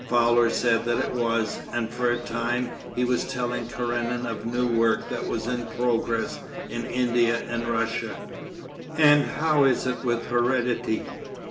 Fowler said that it was, and for a time he was telling Karenin of new work that was in progress in India and Russia. 'And how is it with heredity?